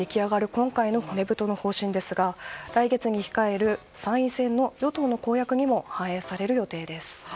今回の骨太の方針ですが来月に控える参院選の与党の公約にも反映される予定です。